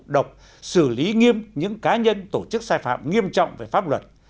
độc xử lý nghiêm những cá nhân tổ chức sai phạm nghiêm trọng về pháp luật